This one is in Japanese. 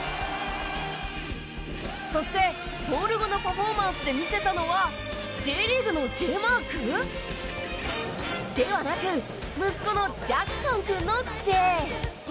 そして、ゴール後のパフォーマンスで見せたのはＪリーグのＪマークではなく息子のジャクソン君の「Ｊ」。